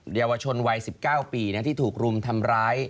เยาวชนวัย๑๙ปีที่ถูกรุมทำร้าย